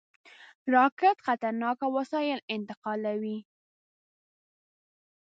راکټ خطرناک وسایل انتقالوي